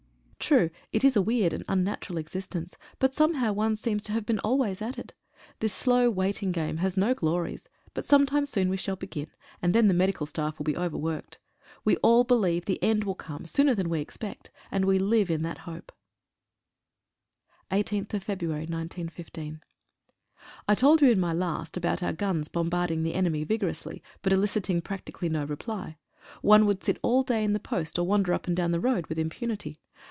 True it is a weird and unnatural existence, but somehow' one seems to have been always at it. This slow waiting game has no glories, but some time soon we shall begin, and then the medical staff will be overworked. We all believe the end will come sooner than we expect, and we live in that hope. «> O «■ 18/2/15. 3 TOLD you in my last about our guns bombarding the enemy vigorously, but eliciting practically no reply. One would sit all day in the post, or wander up and down the road with impunity.